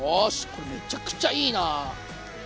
これめちゃくちゃいいな。